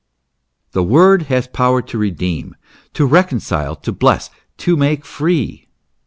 The Word has power to redeem, to reconcile, to bless, to make free.